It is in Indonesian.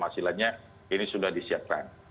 hasilannya ini sudah disiapkan